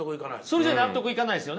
それじゃ納得いかないですよね。